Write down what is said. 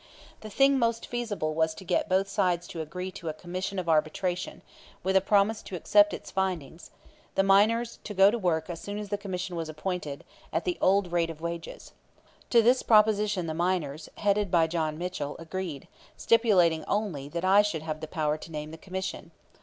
The thing most feasible was to get both sides to agree to a Commission of Arbitration, with a promise to accept its findings; the miners to go to work as soon as the commission was appointed, at the old rate of wages. To this proposition the miners, headed by John Mitchell, agreed, stipulating only that I should have the power to name the Commission.